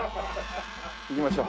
行きましょう。